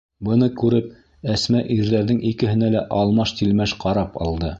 Быны күреп, Әсмә ирҙәрҙең икеһенә лә алмаш-тилмәш ҡарап алды: